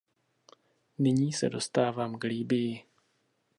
Nyní se dostávám k Libyi.